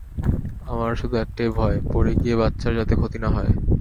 আমার শুধু একটাই ভয়, পড়ে গিয়ে বাচ্চার যাতে ক্ষতি না হয়।